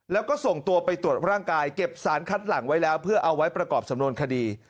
แล้วก็ส่งตัวไปตรวจร่างกายเก็บสารคัดหลังไว้แล้วเพื่อเอาไว้ประกอบสำนวนคดี